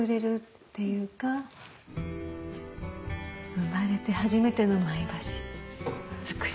生まれて初めてのマイ箸作り。